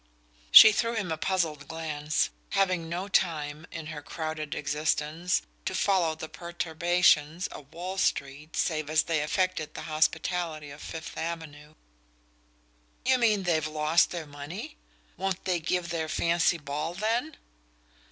She threw him a puzzled glance, having no time, in her crowded existence, to follow the perturbations of Wall Street save as they affected the hospitality of Fifth Avenue. "You mean they've lost their money? Won't they give their fancy ball, then?"